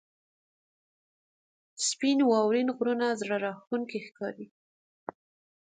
• سپین واورین غرونه زړه راښکونکي ښکاري.